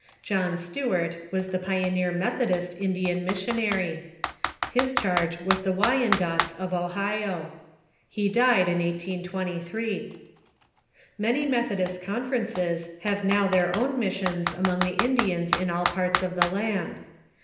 John Stewart was the pioneer Methodist Indian missionary. His charge was the Wyandottes of Ohio. He died in 1823. Many jNIethodist Conferences have now their own missions among the Indians in all parts of the land.